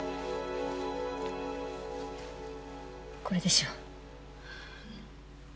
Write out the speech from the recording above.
これでしょ？